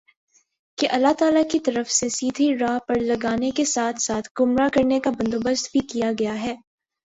کہ اللہ تعالیٰ کی طرف سے سیدھی راہ پر لگانے کے ساتھ ساتھ گمراہ کرنے کا بندوبست بھی کیا گیا ہے